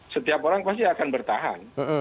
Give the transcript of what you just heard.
setiap orang pasti akan bertahan